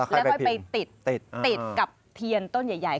แล้วก็ไปติดกับเทียนต้นใหญ่